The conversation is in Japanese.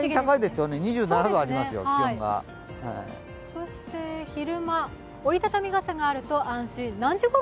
そして昼間、折り畳み傘があると安心。